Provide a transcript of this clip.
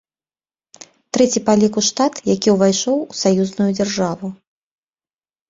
Трэці па ліку штат, які ўвайшоў у саюзную дзяржаву.